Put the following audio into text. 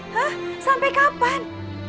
hah sampai kapan